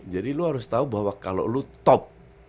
jadi lo harus tahu bahwa kalau lo top